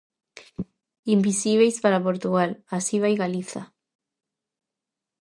Invisíbeis para Portugal, así vai Galiza...